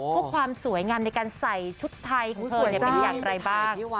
พวกความสวยงามในการใส่ชุดไทยของเธอเนี่ยเป็นอย่างไรบ้าง